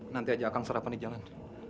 nanti aja akang sarapan di jalan